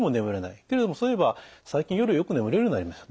けれどもそういえば最近夜よく眠れるようになりましたと。